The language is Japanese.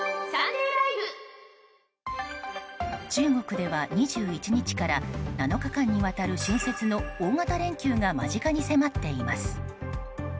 中国では、２１日から７日間にわたる春節の大型連休が間近に迫っています。